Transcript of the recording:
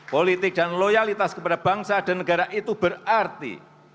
politik dan loyalitas kepada bangsa dan negara itu berarti